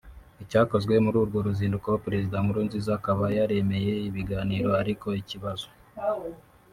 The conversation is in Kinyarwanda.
Icyakoze muri urwo ruzinduko perezida Nkurunziza akaba yaremeye ibiganiro ariko ikibazo